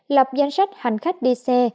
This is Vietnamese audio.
lập danh sách hành khách đi xe